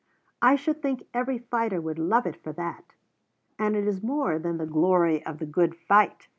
I should think every fighter would love it for that. And it is more than the glory of the good fight.